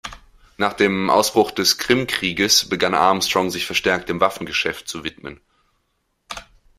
Nach dem Ausbruch des Krimkrieges begann Armstrong, sich verstärkt dem Waffengeschäft zu widmen.